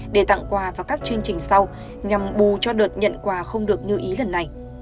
để tặng quà và các chương trình sau nhằm bù cho đợt nhận quà không được như ý lần này